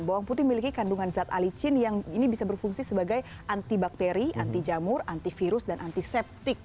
bawang putih memiliki kandungan zat alicin yang ini bisa berfungsi sebagai antibakteri anti jamur antivirus dan antiseptik